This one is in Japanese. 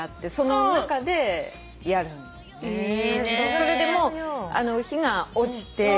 それでもう火が落ちて。